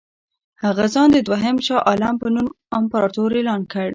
هغه ځان د دوهم شاه عالم په نوم امپراطور اعلان کړ.